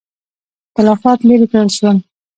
اختلافات لیرې کړل شول.